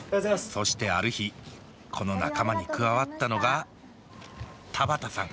そしてある日この仲間に加わったのが田畑さん。